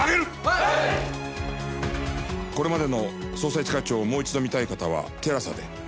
これまでの『捜査一課長』をもう一度見たい方はＴＥＬＡＳＡで。